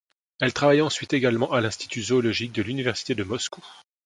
Elle travaille ensuite également à l'Institut zoologique de l'université de Moscou.